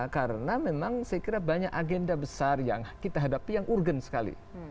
karena memang saya kira banyak agenda besar yang kita hadapi yang urgen sekali